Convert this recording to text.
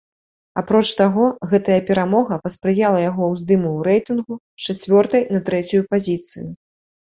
Апроч таго, гэтая перамога паспрыяла яго ўздыму ў рэйтынгу з чацвёртай на трэцюю пазіцыю.